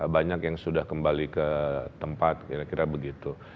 banyak yang sudah kembali ke tempat kira kira begitu